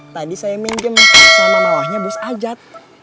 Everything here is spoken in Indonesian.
tadi saya minjem sama bawahnya bos ajat